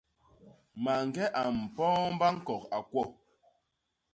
Mañge a mpoomba ñkok, a kwo!